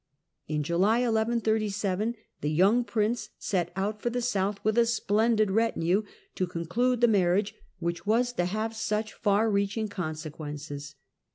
In July 1137 the young prince set out for the south with a splendid retinue, to conclude the mar riage which was to have such far reaching consequences.